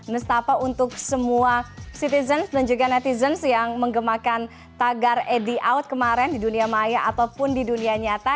nestapa untuk semua citizens dan juga netizens yang menggemakan tagar edi out kemarin di dunia maya ataupun di dunia nyata